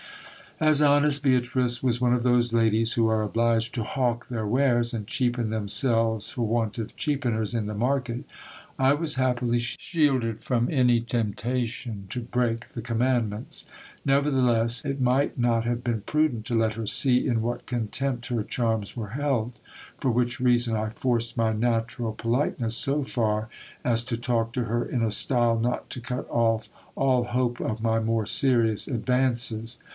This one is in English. As honest Beatrice was one of those ladies who are obliged to hawk their wares, and cheapen themselves for want of cheapeners in the market, I was happily shielded from any temptation to break the commandments. Neverthe less, it might not have been prudent to let her see in what contempt her charms were held : for which reason I forced my natural politeness so far, as to talk to her in a style not to cut off all hope of my more serious advances.